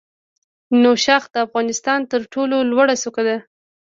نوشاخ د افغانستان تر ټولو لوړه څوکه ده.